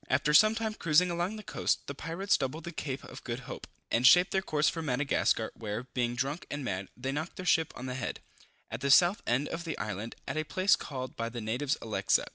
After some time cruising along the coast, the pirates doubled the Cape of Good Hope, and shaped their course for Madagascar, where, being drunk and mad, they knocked their ship on the head, at the south end of the island, at a place called by the natives Elexa.